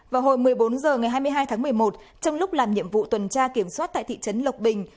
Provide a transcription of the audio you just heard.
vào hồi một mươi bốn h ngày hai mươi hai tháng một mươi một trong lúc làm nhiệm vụ tuần tra kiểm soát tại thị trấn lộc bình